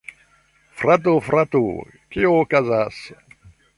Frato, frato! Kio okazas?